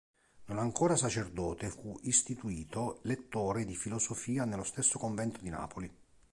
Non ancora sacerdote, fu istituito lettore di Filosofia nello stesso convento di Napoli.